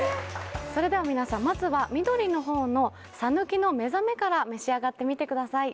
それでは皆さんまずは緑のほうの「さぬきのめざめ」から召し上がってみてください。